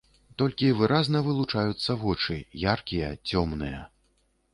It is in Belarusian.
Толькі выразна вылучаюцца вочы, яркія, цёмныя.